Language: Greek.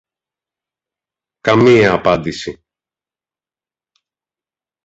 Καμία απάντηση